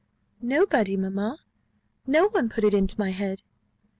"Nobody, mamma; no one put it into my head.